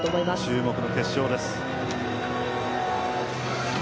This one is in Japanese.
注目の決勝です。